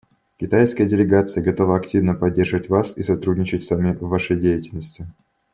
Китайская делегация готова активно поддерживать вас и сотрудничать с вами в вашей деятельности.